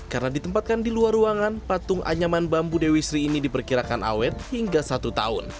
karena ditempatkan di luar ruangan patung anyaman bambu dewi sri ini diperkirakan awet hingga satu tahun